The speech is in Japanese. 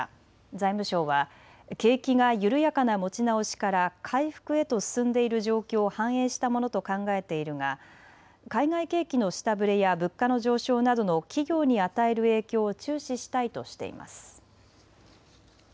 財務省は景気が緩やかな持ち直しから回復へと進んでいる状況を反映したものと考えているが海外景気の下振れや物価の上昇などの企業に与える影響を注視したいとしています。